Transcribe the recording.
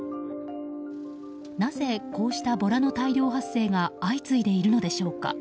なぜこうしたボラの大量発生が相次いでいるのでしょうか。